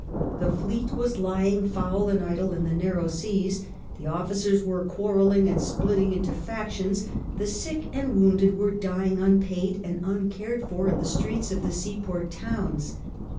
The fleet was lying foul and idle in the narrow seas ; the officers were quarrelling and splitting into factions ; the sick and wounded were dying unpaid and uncared for in the streets of the seaport towns.